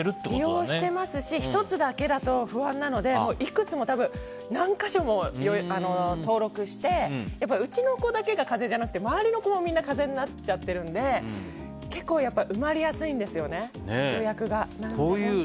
利用してますし１つだけだと不安なのでいくつも何か所も登録してうちの子だけが風邪じゃなくて周りの子もみんな風邪になっちゃってるので結構埋まりやすいんですよね、予約が。